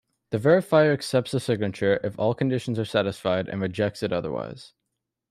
The verifier accepts a signature if all conditions are satisfied and rejects it otherwise.